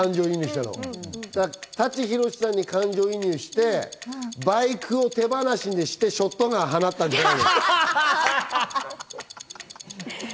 舘ひろしさんに感情移入してバイクを手放しにしてショットガン放ったんじゃない？